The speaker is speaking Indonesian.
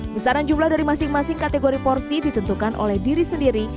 besaran jumlah dari masing masing kategori porsi ditentukan oleh diri sendiri